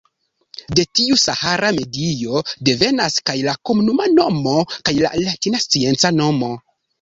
De tiu sahara medio devenas kaj la komuna nomo kaj la latina scienca nomo.